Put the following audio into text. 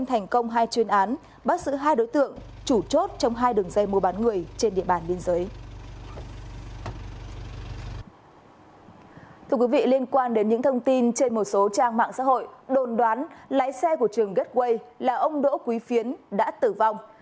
thưa quý vị liên quan đến những thông tin trên một số trang mạng xã hội đồn đoán lái xe của trường gateway là ông đỗ quý phiến đã tử vong